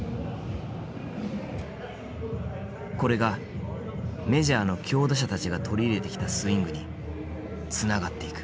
これがメジャーの強打者たちが取り入れてきたスイングにつながっていく。